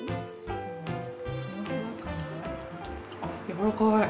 やわらかい。